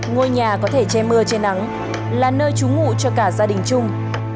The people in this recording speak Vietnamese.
ngôi nhà có thể che mưa che nắng là nơi trú ngụ cho cả gia đình chung